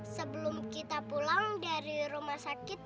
sebelum kita pulang dari rumah sakit